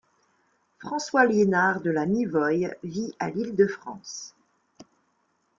François Liénard de La Mivoye vit à l'île de France.